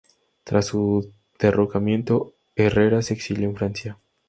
Tras su derrocamiento, Herrera se exilió en Francia.